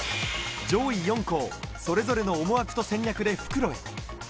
上位４校、それぞれの思惑と戦略で復路に。